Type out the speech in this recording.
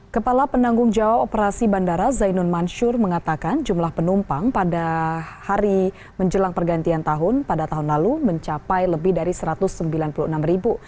kepala penanggung jawab operasi bandara zainun mansur mengatakan jumlah penumpang pada hari menjelang pergantian tahun pada tahun lalu mencapai lebih dari satu ratus sembilan puluh enam ribu